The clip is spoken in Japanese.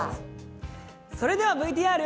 それではＶＴＲ。